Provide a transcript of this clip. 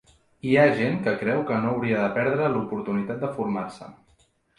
I hi ha gent que creu que no hauria de perdre l'oportunitat de formar-se.